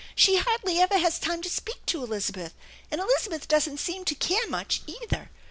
She hardly ever has time to speak to Elizabeth, and Elizabeth doesn't seem to care much, either.